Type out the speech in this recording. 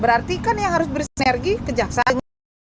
berarti kan yang harus beres energi kejaksaan